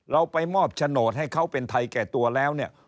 เราไปมอบโฉนดให้เขาเป็นไทยแก่ตัวแล้วเนี่ย